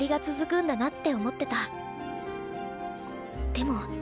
でも。